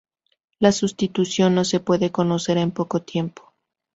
La sustitución no se puede conocer en poco tiempo.